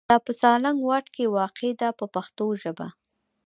دا په سالنګ واټ کې واقع ده په پښتو ژبه.